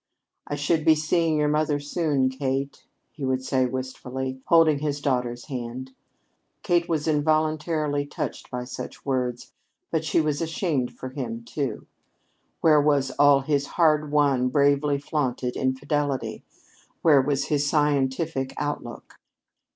"I shall be seeing your mother soon, Kate," he would say wistfully, holding his daughter's hand. Kate was involuntarily touched by such words, but she was ashamed for him, too. Where was all his hard won, bravely flaunted infidelity? Where his scientific outlook?